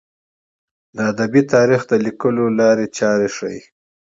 د ادبي تاریخ د لیکلو لارې چارې ښيي.